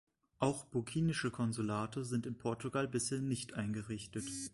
Auch burkinische Konsulate sind in Portugal bisher nicht eingerichtet.